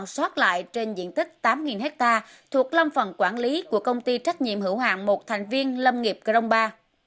xót lại trên diện tích tám hectare thuộc lâm phần quản lý của công ty trách nhiệm hữu hàng một thành viên lâm nghiệp gromba